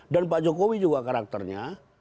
dan pak jokowi juga karakternya